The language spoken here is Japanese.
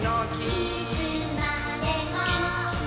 いつまでも。